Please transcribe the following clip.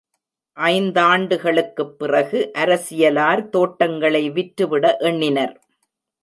ஐந்தாண்டுகளுக்குப் பிறகு அரசியலார் தோட்டங்களை விற்றுவிட எண்ணினர்.